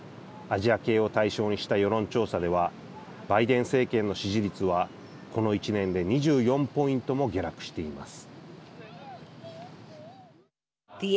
アジア系を対象にした世論調査ではバイデン政権の支持率はこの１年で２４ポイントも下落しています。